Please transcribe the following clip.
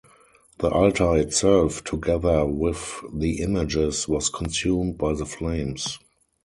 The altar itself, together with the images, was consumed by the flames.